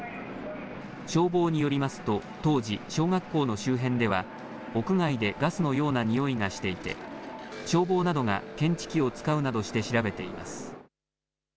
消防によりますと当時、小学校の周辺では、屋外でガスのようなにおいがしていて、消防などが検知器を使うなどして調べています。